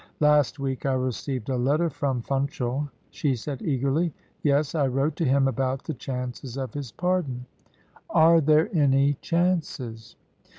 "Last week I received a letter from Funchal," she said eagerly. "Yes; I wrote to him about the chances of his pardon " "Are there any chances?"